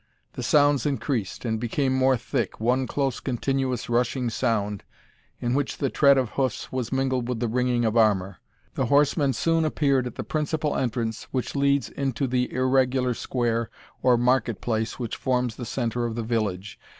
The sounds increased, and became more thick, one close continuous rushing sound, in which the tread of hoofs was mingled with the ringing of armour. The horsemen soon appeared at the principal entrance which leads into the irregular square or market place which forms the centre of the village.